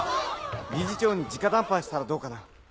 理事長に直談判したらどうかな？